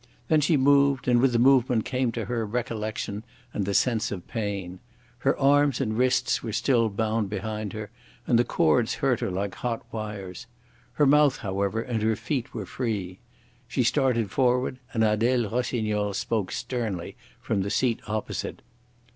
Then she moved, and with the movement came to her recollection and the sense of pain. Her arms and wrists were still bound behind her, and the cords hurt her like hot wires. Her mouth, however, and her feet were free. She started forward, and Adele Rossignol spoke sternly from the seat opposite.